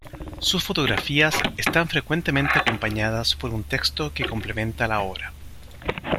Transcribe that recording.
Sus fotografías están frecuentemente acompañadas por un texto que complementa la obra.